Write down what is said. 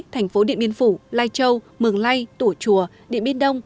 thành phố điện biên phủ lai châu mường lây tủ chùa điện biên đông